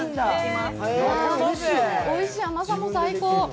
おいしい、甘さも最高。